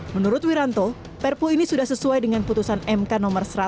menurut wiranto perpu ini sudah sesuai dengan putusan mk no satu ratus enam puluh